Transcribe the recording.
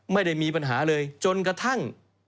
ไม่ได้มีปัญหาเลยจนกระทั่ง